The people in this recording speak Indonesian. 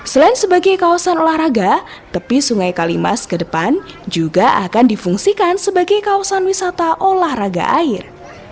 selain sebagai kawasan olahraga tepi sungai kalimas ke depan juga akan difungsikan sebagai kawasan wisata olahraga air